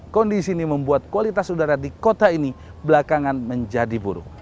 kondisi ini membuat kualitas udara di kota ini belakangan menjadi buruk